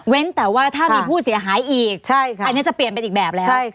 แต่ว่าถ้ามีผู้เสียหายอีกอันนี้จะเปลี่ยนเป็นอีกแบบแล้ว